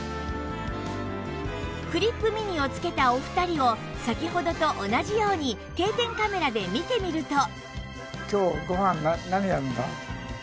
クリップ・ミニをつけたお二人を先ほどと同じように定点カメラで見てみると